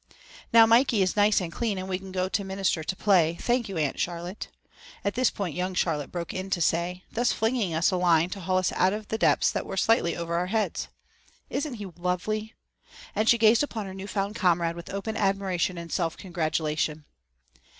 "Now Mikey is nice and clean and we can go to Minister to play, thank you, Aunt Charlotte," at this point young Charlotte broke in to say, thus flinging us a line to haul us out of depths that were slightly over our heads. "Isn't he lovely?" And she gazed upon her new found comrade with open admiration and self congratulation.